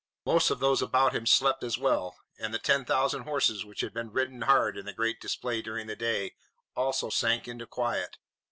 Most of those about him slept as well, and the ten thousand horses, which had been ridden hard in the great display during the day, also sank into quiet.